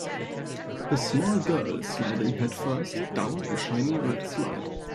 A small girl sliding headfirst down a shiny red slide.